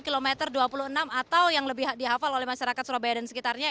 kilometer dua puluh enam atau yang lebih dihafal oleh masyarakat surabaya dan sekitarnya